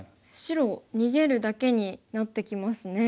白逃げるだけになってきますね。